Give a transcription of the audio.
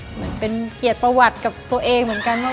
เหมือนเป็นเกียรติประวัติกับตัวเองเหมือนกัน